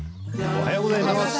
おはようございます。